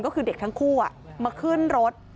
ก็คือเด็กทั้งคู่มาขึ้นรถ